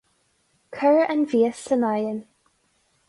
Cuir an mhias san oigheann